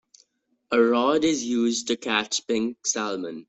A rod is used to catch pink salmon.